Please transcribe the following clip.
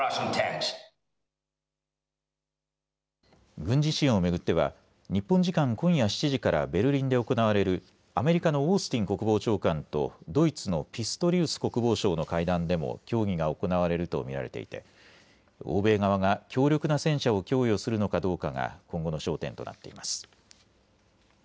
軍事支援を巡っては日本時間今夜７時からベルリンで行われるアメリカのオースティン国防長官とドイツのピストリウス国防相の会談でも協議が行われると見られていて欧米側が強力な戦車を供与するのかどうかが今後の焦点となっています。